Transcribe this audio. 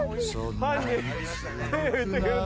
はい。